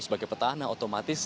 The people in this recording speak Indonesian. sebagai petahana otomatis